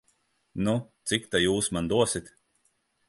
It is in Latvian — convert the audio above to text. Nu, cik ta jūs man dosit?